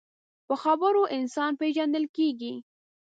په خبرو انسان پیژندل کېږي